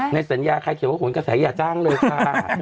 ในสัญญาใครเขียนว่าขนกระแสอย่าจ้างเลยค่ะ